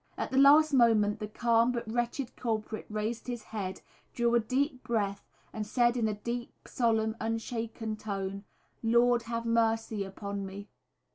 At the last moment the calm, but wretched, culprit raised his head, drew a deep breath, and said in a deep, solemn, unshaken tone, "Lord have mercy upon me.